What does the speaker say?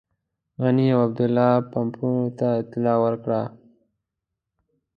غني او عبدالله پومپیو ته اطلاع ورکړې ده.